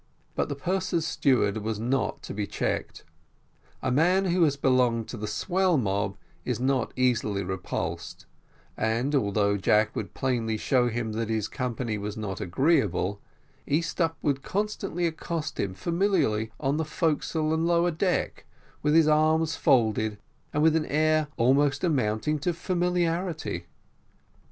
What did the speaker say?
But the purser's steward was not to be checked a man who has belonged to the swell mob is not easily repulsed; and although Jack would plainly show him that his company was not agreeable, Easthupp would constantly accost him familiarly on the forecastle and lower deck, with his arms folded, and with an air almost amounting to superiority.